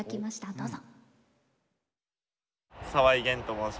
どうぞ。